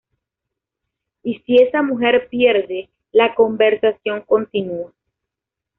Y si esa mujer pierde, la conversación continúa.